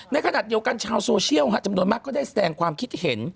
ในขณะเดียวกันชาวโซเชียลจำนวนมากก็ได้แสดงความคิดเห็น